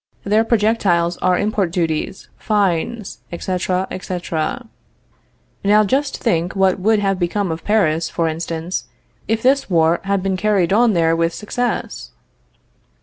Their projectiles are import duties, fines, etc., etc. Now, just think what would have become of Paris, for instance, if this war had been carried on there with success.